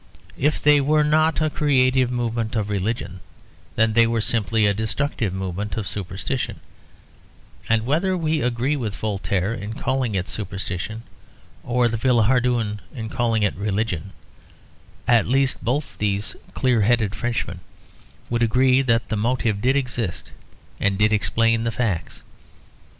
If they were not a creative movement of religion, then they were simply a destructive movement of superstition; and whether we agree with Voltaire in calling it superstition or with Villehardouin in calling it religion, at least both these very clear headed Frenchmen would agree that the motive did exist and did explain the facts.